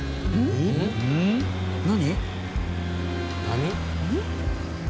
何？